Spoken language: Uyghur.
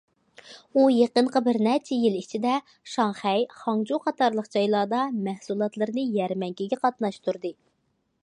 ئۇ يېقىنقى بىر نەچچە يىل ئىچىدە شاڭخەي، خاڭجۇ قاتارلىق جايلاردا مەھسۇلاتلىرىنى يەرمەنكىگە قاتناشتۇردى.